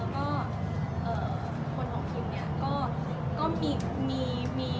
แล้วก็คนของพิมเนี่ย